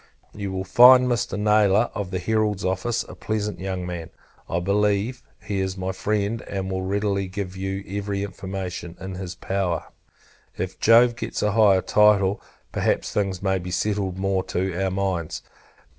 You will find Mr. Nayler, of the Herald's Office, a pleasant young man. I believe, he is my friend, and will readily give every information in his power. If Jove gets a higher title, perhaps things may be settled more to our minds.